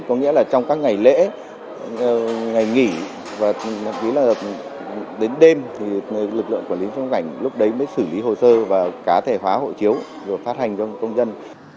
các ngày lễ ngày nghỉ và đến đêm thì lực lượng quản lý trong cảnh lúc đấy mới xử lý hồ sơ và cá thể hóa hộ chiếu rồi phát hành cho công dân